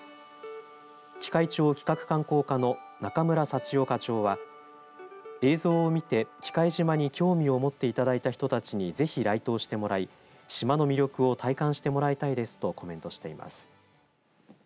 喜界町企画観光課の中村幸雄課長は映像を見て喜界島に興味を持っていただいた人たちにぜひ来島してもらい島の魅力を体感してもらいたいですとコメントしています。